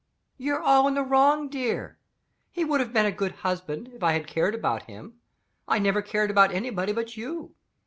"You're all in the wrong, dear. He would have been a good husband if I had cared about him. I never cared about anybody but you.